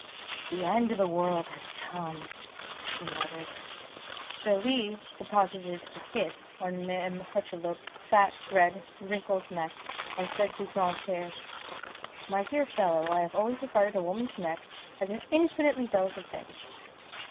"The end of the world has come," she muttered. Joly deposited a kiss on Mame Hucheloup's fat, red, wrinkled neck, and said to Grantaire: "My dear fellow, I have always regarded a woman's neck as an infinitely delicate thing."